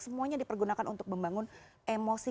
semuanya dipergunakan untuk membangun emosi